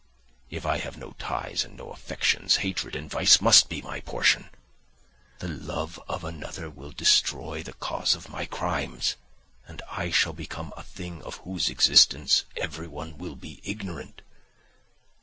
If I have no ties and no affections, hatred and vice must be my portion; the love of another will destroy the cause of my crimes, and I shall become a thing of whose existence everyone will be ignorant.